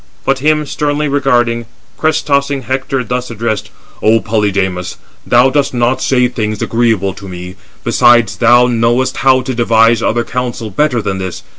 But him sternly regarding, crest tossing Hector thus addressed: "O Polydamas, thou dost not say things agreeable to me: besides, thou knowest how to devise other counsel better than this.